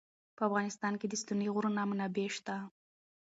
په افغانستان کې د ستوني غرونه منابع شته.